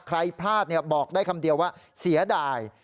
ใครพลาดบอกได้คำเดียวว่าเสียดาย